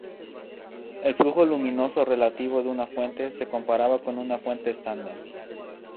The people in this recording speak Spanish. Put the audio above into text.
El flujo luminoso relativo de una fuente se comparaba con una fuente estándar.